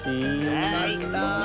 よかった。